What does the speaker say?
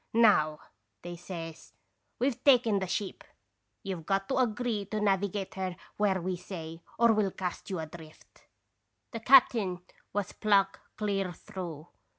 "'Now/ they says, 'we've taken the ship! You've got to agree to navigate her where we say, or we '11 cast you adrift.' " The cap'n was pluck clear through.